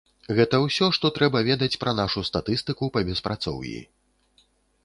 Гэта ўсё, што трэба ведаць пра нашу статыстыку па беспрацоўі.